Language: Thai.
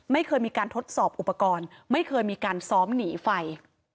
ไม่เคยมีการทดสอบอุปกรณ์ไม่เคยมีการซ้อมหนีไฟ